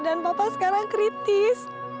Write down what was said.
dan papa sekarang kritis